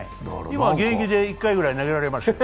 今、現役で１回ぐらい投げられますよ。